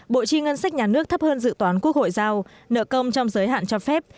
bộ chi ngân sách nhà nước thấp hơn dự toán quốc hội giao nợ công trong giới hạn cho phép